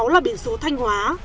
ba mươi sáu là biển số thanh hóa